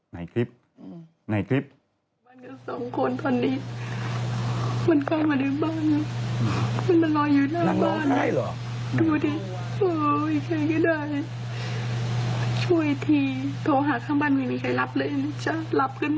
ไหนคลิปไหนคลิป